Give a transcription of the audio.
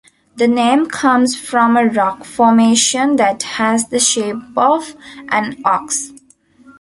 The name comes from a rock formation that has the shape of an ox.